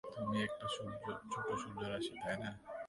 তুমি এক ছোট্ট সূর্যরশ্মি, তাই না?